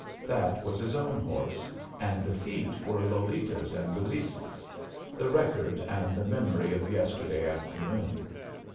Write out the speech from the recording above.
That was his own horse, and the feet were Lolita's and Luis's the record and the memory of yesterday afternoon.